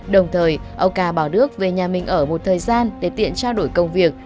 đồng thời ông ca bảo đức về nhà mình ở một thời gian để tiện trao đổi công việc